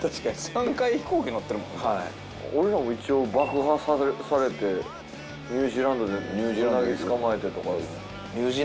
俺らも一応爆破されてニュージーランドでウナギ捕まえてとか。